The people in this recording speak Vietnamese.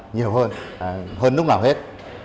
nhiều hơn hơn lúc nào hết